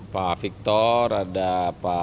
pak victor ada pak